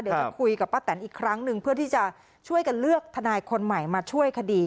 เดี๋ยวจะคุยกับป้าแตนอีกครั้งหนึ่งเพื่อที่จะช่วยกันเลือกทนายคนใหม่มาช่วยคดี